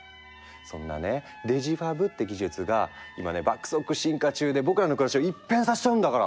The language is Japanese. そんなねデジファブって技術が今ね爆速進化中で僕らの暮らしを一変させちゃうんだから！